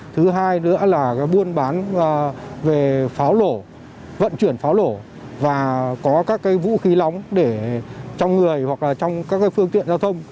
thứ hai nữa là buôn bán về pháo lổ vận chuyển pháo lổ và có các vũ khí lóng để trong người hoặc là trong các phương tiện giao thông